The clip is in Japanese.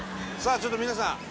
ちょっと皆さん